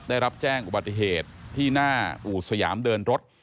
ได้รับแจ้งอุบัติเหตุที่หน้าอู่สยามเดินรถ